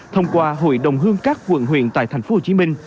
thông qua hội đồng hương các quận huyện tại thành phố hồ chí minh